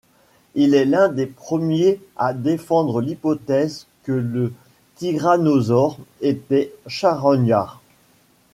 Il est l'un des premiers à défendre l'hypothèse que le Tyrannosaure était charognard.